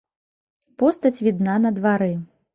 Постаць відна на двары.